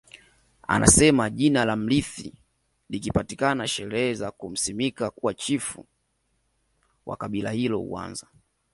Anasema jina la mrithi likipatikana sherehe za kumsimika kuwa Chifu wa kabila hilo huanza